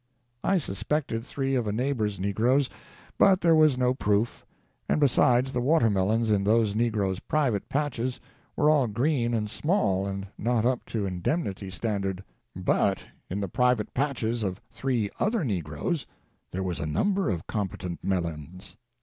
I suspected three of a neighbor's negroes, but there was no proof: and, besides, the watermelons in those negroes' private patches were all green and small, and not up to indemnity standard. But in the private patches of three other negroes there was a number of competent melons.